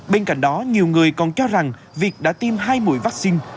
bên cạnh đó nhiều người còn cho rằng việc đã tiêm hai mũi vaccine